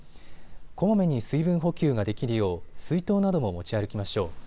こまめに水分補給ができるよう水筒なども持ち歩きましょう。